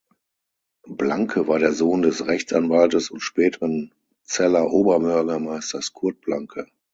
Blanke war der Sohn des Rechtsanwaltes und späteren Celler Oberbürgermeisters Kurt Blanke.